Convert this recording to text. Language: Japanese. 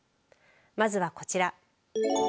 まずはこちら。